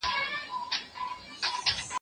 زه به اوږده موده د نوي لغتونو يادونه کړې وم